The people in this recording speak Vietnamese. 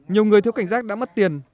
nhiều người thiếu cảnh giác đã mất tiền